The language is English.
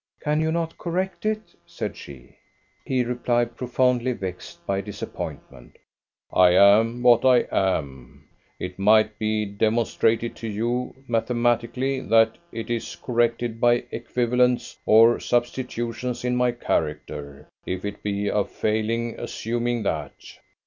"Can you not correct it?" said she. He replied, profoundly vexed by disappointment: "I am what I am. It might be demonstrated to you mathematically that it is corrected by equivalents or substitutions in my character. If it be a failing assuming that."